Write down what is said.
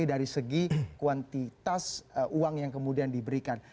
dari segi kuantitas uang yang kemudian diberikan